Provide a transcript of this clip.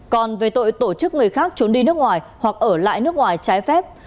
còn về tội tổ chức người khác trốn đi nước ngoài hoặc ở lại nước ngoài trái phép